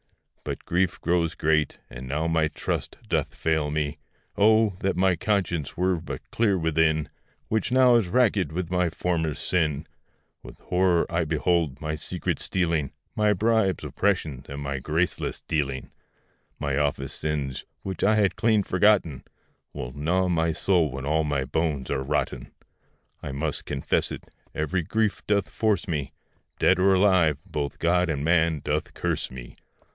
But grief grows great, and now my trust doth fail me. Oh! that my conscience were but clear within, Which now is rackèd with my former sin; With horror I behold my secret stealing, My bribes, oppression, and my graceless dealing; My office sins, which I had clean forgotten, Will gnaw my soul when all my bones are rotten: I must confess it, very grief doth force me, Dead or alive, both God and man doth curse me.